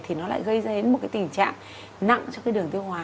thì nó lại gây ra đến một cái tình trạng nặng cho cái đường tiêu hóa